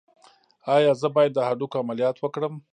ایا زه باید د هډوکو عملیات وکړم؟